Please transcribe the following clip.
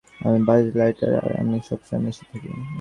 আমি বায লাইটইয়ার, আর আমি সবসময় নিশ্চিত থাকি!